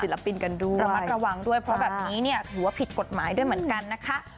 ปินกันด้วยระมัดระวังด้วยเพราะแบบนี้เนี่ยถือว่าผิดกฎหมายด้วยเหมือนกันนะคะ